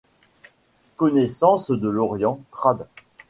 Connaissance de l'Orient, Trad.